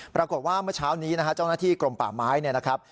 เมื่อเช้านี้นะฮะเจ้าหน้าที่กรมป่าไม้เนี่ยนะครับ